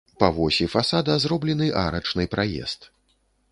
Па восі фасада зроблены арачны праезд.